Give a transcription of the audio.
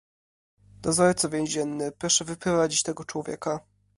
"Dozorco więzienny, proszę wyprowadzić tego człowieka."